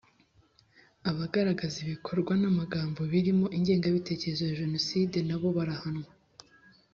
Abagaragaza ibikorwa namagambo birimo ingengabitekerezo ya jenoside nabo barahanwa